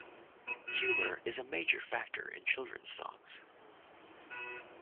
Humour is a major factor in children's songs.